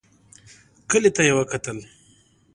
کلي ته يې وکتل.